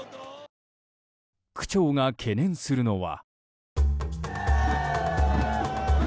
区長が懸念するのは。